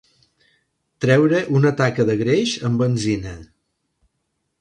Treure una taca de greix amb benzina.